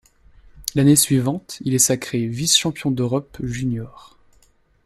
L'année suivante, il est sacré vice-champion d'Europe junior.